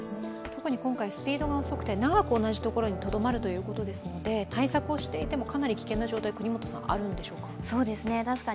特に今回、スピードが遅くて長く同じ所にとどまるということですので対策をしていてもかなり危険な状態あるんでしょうか？